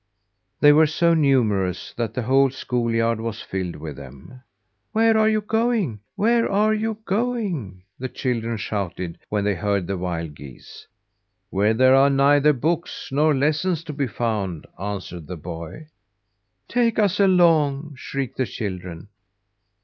They were so numerous that the whole schoolyard was filled with them. "Where are you going? Where are you going?" the children shouted when they heard the wild geese. "Where there are neither books nor lessons to be found," answered the boy. "Take us along!" shrieked the children.